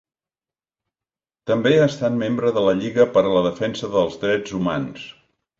També ha estat membre de la Lliga per a la Defensa dels Drets Humans.